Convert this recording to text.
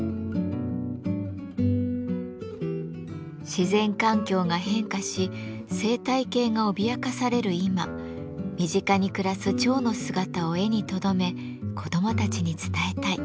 自然環境が変化し生態系が脅かされる今身近に暮らす蝶の姿を絵にとどめ子どもたちに伝えたい。